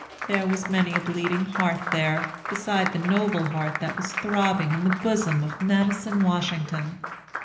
There was many a bleeding heart there, beside the noble heart that was throbbing in the bosom of Madison Washington.